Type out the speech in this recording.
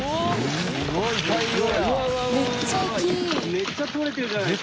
めっちゃとれてるじゃないですか。